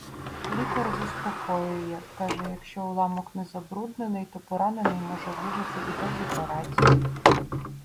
Лікар заспокоює, каже, якщо уламок не забруднений, то поранений може вижити і без операції.